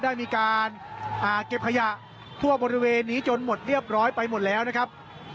ได้มีการเก็บขยะทั่วบริเวณนี้จนหมดเรียบร้อยไปหมดแล้วนะครับ